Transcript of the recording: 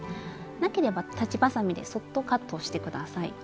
なければ裁ちばさみでそっとカットして下さい。